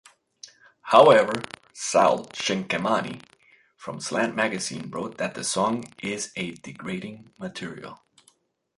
However, Sal Cinquemani from Slant Magazine wrote that the song is a "degrading material".